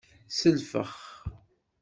Selfex.